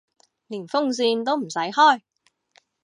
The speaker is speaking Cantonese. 連風扇都唔使開